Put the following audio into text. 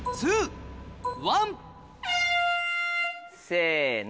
せの。